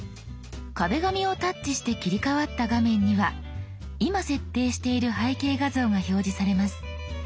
「壁紙」をタッチして切り替わった画面には今設定している背景画像が表示されます。